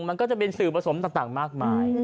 มันก็จะเป็นสื่อผสมต่างมากมาย